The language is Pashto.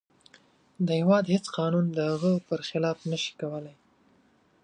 د هیواد هیڅ قانون د هغه پر خلاف نشي کولی.